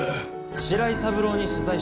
白井三郎に取材してきて。